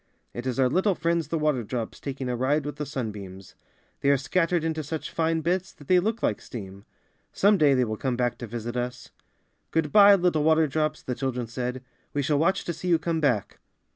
It is our little friends the water drops taking a ride with the sunbeams. They are scattered into such fine bits that they look like steam. Some day they will come back to visit us." ^^Good by, little water drops," the chil dren said. ^We shall watch to see you come back."